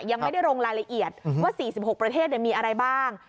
ยังไม่ได้ลงรายละเอียดว่า๔๖ประเทศมีอะไรบ้าง